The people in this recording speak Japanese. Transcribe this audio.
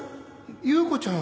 「祐子ちゃん」